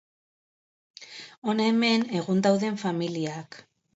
Hona hemen egun dauden familiak